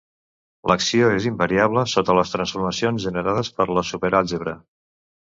L'acció és invariable sota les transformacions generades per la superàlgebra.